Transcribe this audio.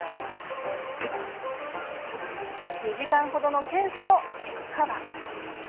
２時間程の検査の結果は？